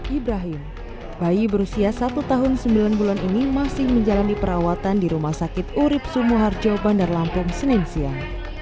ibrahim bayi berusia satu tahun sembilan bulan ini masih menjalani perawatan di rumah sakit urib sumoharjo bandar lampung senin siang